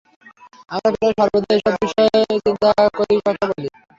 আমরা প্রায় সর্বদাই এইসব বিষয়ে চিন্তা করি কথা বলি।